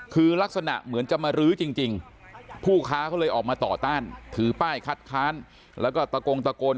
คือลักษณะเหมือนจะมารื้อจริงผู้ค้าเขาเลยออกมาต่อต้านถือป้ายคัดค้านแล้วก็ตะโกงตะโกน